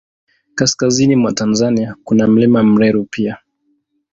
Kaskazini mwa Tanzania, kuna Mlima Meru pia.